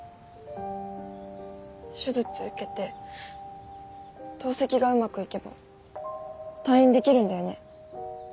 手術受けて透析がうまく行けば退院できるんだよね？